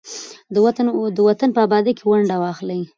د وطن په ابادۍ کې ونډه واخلئ.